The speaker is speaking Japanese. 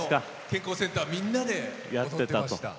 健康センターみんなで踊ってました。